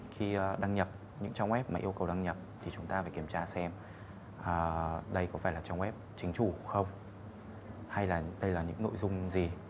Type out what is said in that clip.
khi đăng nhập những trang web mà yêu cầu đăng nhập thì chúng ta phải kiểm tra xem đây có phải là trang web chính chủ không